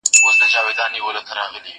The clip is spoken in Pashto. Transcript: زه بايد مځکي ته وګورم!.